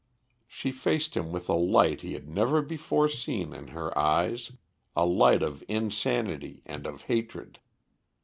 She faced him with a light he had never before seen in her eyes a light of insanity and of hatred.